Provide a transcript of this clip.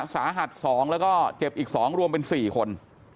สาหัส๒แล้วก็เจ็บอีก๒รวมเป็น๔คน